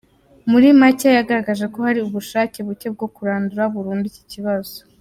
Muri make yagaragaje ko hari ubushake bucye bwo kurandura burundu iki kibazo.